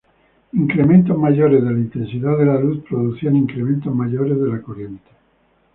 Incrementos mayores de la intensidad de la luz producían incrementos mayores de la corriente.